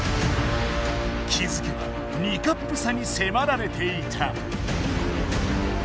気づけば２カップさにせまられていた。